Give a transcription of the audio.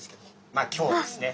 まっ今日はですね